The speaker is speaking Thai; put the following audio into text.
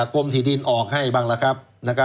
กรมสีดินออกให้บ้างแล้วครับ